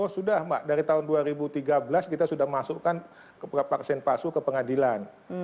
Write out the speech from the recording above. sudah mbak dari tahun dua ribu tiga belas kita sudah masukkan vaksin palsu ke pengadilan